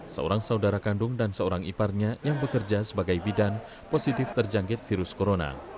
seorang saudara kandung dan seorang iparnya yang bekerja sebagai bidan positif terjangkit virus corona